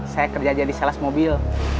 saya kerja aja di salas mobil